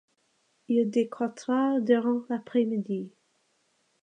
Il décroîtra durant l'après-midi.